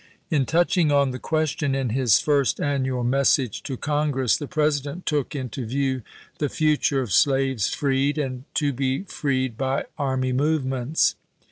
In touching on the question in his first Dec. 3,1861. annual message to Congress, the President took into view the future of slaves freed and to be freed by army movements.